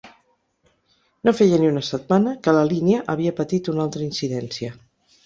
No feia ni una setmana que la línia havia patit una altra incidència.